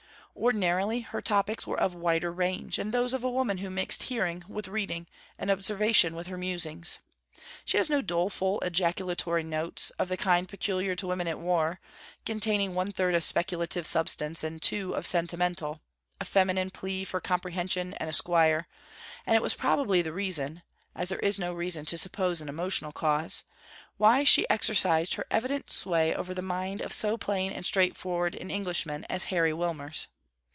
Ordinarily her topics were of wider range, and those of a woman who mixed hearing with reading, and observation with her musings. She has no doleful ejaculatory notes, of the kind peculiar to women at war, containing one third of speculative substance to two of sentimental a feminine plea for comprehension and a squire; and it was probably the reason (as there is no reason to suppose an emotional cause) why she exercised her evident sway over the mind of so plain and straightforward an Englishman as Henry Wilmers.